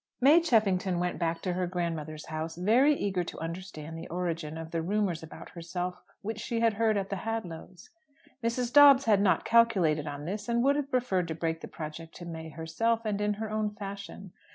May Cheffington went back to her grand mother's house, very eager to understand the origin of the rumours about herself which she had heard at the Hadlows'. Mrs. Dobbs had not calculated on this, and would have preferred to break the project to May herself, and in her own fashion.